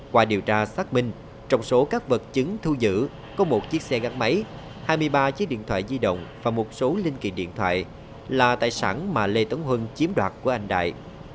qua điều tra xác minh trong số các vật chứng thu giữ có một chiếc xe gắn máy hai mươi ba chiếc điện thoại di động và một số linh kiện điện thoại là tài sản mà lê tấn huân chiếm đoạt của anh đại